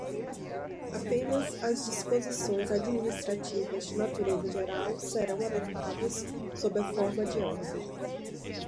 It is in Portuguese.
Apenas as disposições administrativas de natureza geral serão adotadas sob a forma de ordem.